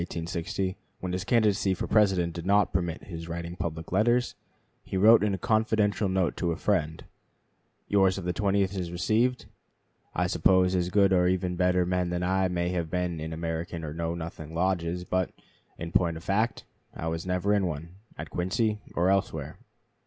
So also in the summer of 1860, when his candidacy for President did not permit his writing public letters, he wrote in a confidential note to a friend: "Yours of the 20th is received. I suppose as good or even better men than I may have been in American or Know Nothing lodges; but, in point of fact, I never was in one, at Quincy or elsewhere....